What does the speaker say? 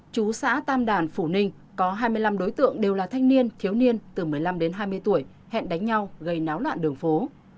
chú xã tam đàn phủ ninh có hai mươi năm đối tượng đều là thanh niên thiếu niên từ một mươi năm đến hai mươi tuổi hẹn đánh nhau gây náo loạn đường phố